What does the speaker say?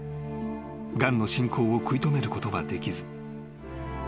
［がんの進行を食い止めることはできず２０１６年１０月。